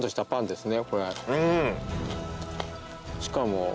しかも。